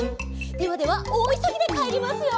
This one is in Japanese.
「ではではおおいそぎでかえりますよ」